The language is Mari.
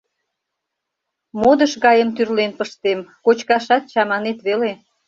Модыш гайым тӱрлен пыштем, кочкашат чаманет веле.